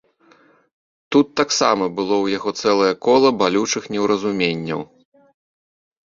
Тут таксама было ў яго цэлае кола балючых неўразуменняў.